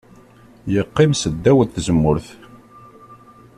Yeqqim s ddaw n tzemmurt.